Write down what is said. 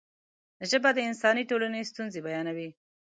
ژبه د انساني ټولنې ستونزې بیانوي.